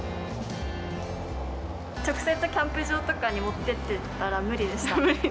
直接キャンプ場とかに持ってってったら、無理でした。